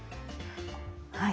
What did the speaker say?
はい。